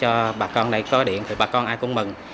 hồi bà con ở đây có điện thì bà con ai cũng mừng